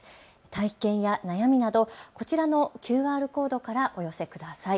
体験や悩みなどこちらのＱＲコードからお寄せください。